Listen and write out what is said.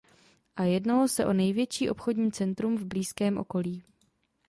A jednalo se o největší obchodní centrum v blízkém okolí.